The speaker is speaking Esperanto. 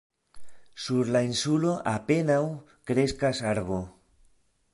Sur la insulo apenaŭ kreskas arbo.